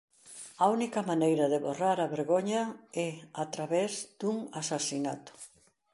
A única maneira de borrar a vergoña é a través dun asasinato.